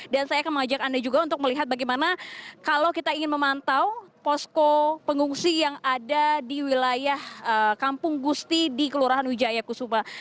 dan saya akan mengajak anda juga untuk melihat bagaimana kalau kita ingin memantau posko pengungsi yang ada di wilayah kampung gusti di kelurahan wijaya kusuma